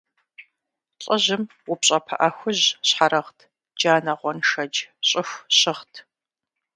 ЛӀыжьым упщӀэ пыӀэ хужь щхьэрыгът, джанэ-гъуэншэдж щӀыху щыгът.